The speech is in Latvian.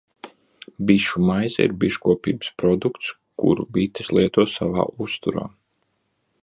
Bišu maize ir biškopības produkts, kuru bites lieto savā uzturā.